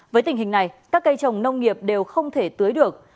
với tình hình này các cây trồng nông nghiệp đều không thể tưới được